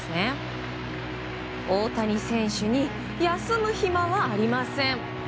大谷選手に休む暇はありません。